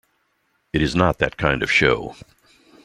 It is not that kind of show.